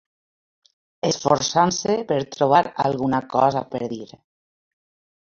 Esforçant-se per trobar alguna cosa per dir